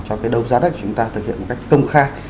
cho cái đấu ra đất chúng ta thực hiện một cách công khai